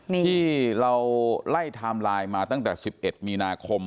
ที่เราไล่ไทม์ไลน์มาตั้งแต่๑๑มีนาคม